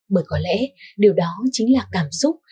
bởi có lẽ điều đó chính là cảm xúc